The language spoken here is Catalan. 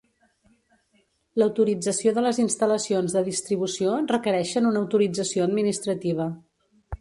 L'autorització de les instal·lacions de distribució requereixen una autorització administrativa.